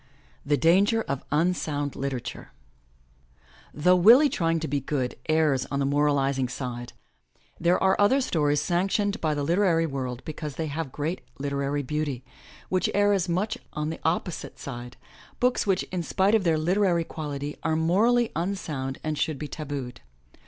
THE DANGER OF UNSOUND LITERATURE HOUGH Willie Trying To Be Good errs on the moralizing side, there are other stories sanctioned by the literary world because they have great literary beauty, which err as much on the oppo site side, books which, in spite of their literary quality, are morally unsound and should be ta booed.